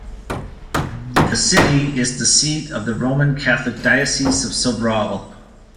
The city is the seat of the Roman Catholic Diocese of Sobral.